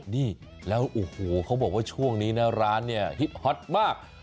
นี่แล้วโอ้โหเขาบอกว่าช่วงนี้นะร้านเนี่ยฮิตฮอตมาก